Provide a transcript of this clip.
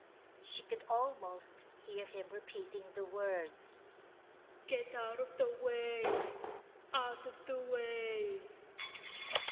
She could almost hear him repeating the words, "Get out of the way, out of the way...."